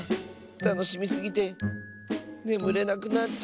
たのしみすぎてねむれなくなっちゃった。